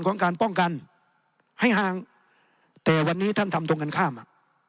ของการป้องกันให้ห่างแต่วันนี้ท่านทำตรงกันข้ามอ่ะ